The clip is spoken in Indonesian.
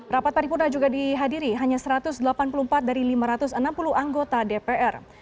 rapat paripurna juga dihadiri hanya satu ratus delapan puluh empat dari lima ratus enam puluh anggota dpr